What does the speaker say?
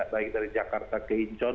baik dari jakarta ke incon